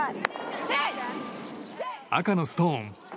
赤のストーン